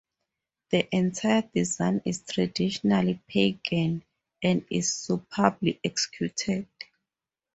The entire design is traditionally pagan, and is superbly executed.